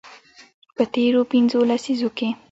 په تیرو پنځو لسیزو کې